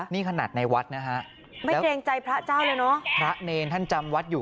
นี่ขนาดในวัดนะฮะไม่เกรงใจพระเจ้าเลยเนอะพระเนรท่านจำวัดอยู่